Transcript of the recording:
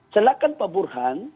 silahkan pak burhan